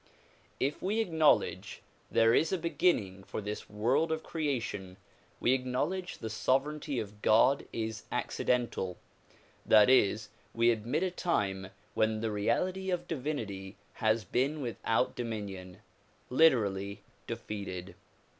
If we acknowledge there is a beginning for this world of creation, we acknowledge the sovereignty of God is accidental; that is, we admit a time when the reality of divinity has been without domin ion (lit. "defeated").